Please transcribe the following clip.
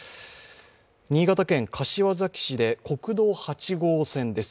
新潟県柏崎市で国道８号線です。